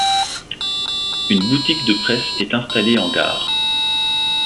Une boutique de presse est installée en gare.